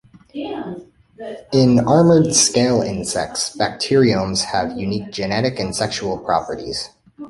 In armored scale insects, bacteriomes have unique genetic and sexual properties.